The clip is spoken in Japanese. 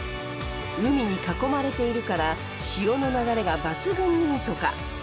海に囲まれているから潮の流れが抜群にいいとか。